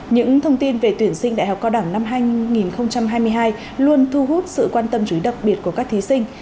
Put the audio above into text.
những thông tin về tuyển sinh đại học cao đẳng năm hai nghìn hai mươi hai luôn thu hút sự quan tâm chú ý đặc biệt của các thí sinh